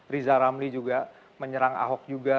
riza ramli juga menyerang ahok juga